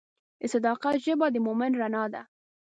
د صداقت ژبه د مؤمن رڼا ده.